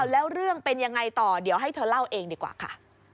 แล้วเรื่องเป็นยังไงต่อเดี๋ยวให้เธอเล่าเองดีกว่าค่ะ